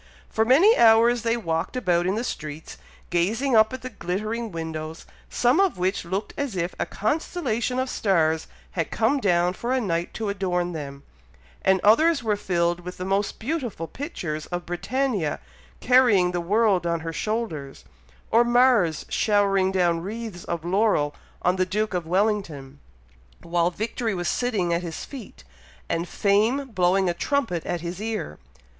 For many hours they walked about in the streets, gazing up at the glittering windows, some of which looked as if a constellation of stars had come down for a night to adorn them; and others were filled with the most beautiful pictures of Britannia carrying the world on her shoulders; or Mars showering down wreaths of laurel on the Duke of Wellington, while victory was sitting at his feet, and fame blowing a trumpet at his ear.